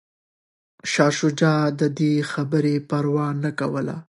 شاه شجاع د دې خبرې پروا نه کوله.